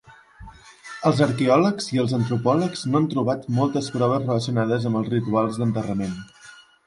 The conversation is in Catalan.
Els arqueòlegs i els antropòlegs no han trobat moltes proves relacionades amb els rituals d'enterrament.